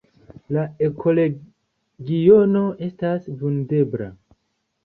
La ekoregiono estas vundebla.